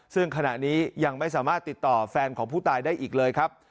ซึ่งขณะนี้ยังไม่สามารถติดต่อแฟนของผู้ตายได้อีกเลยครับ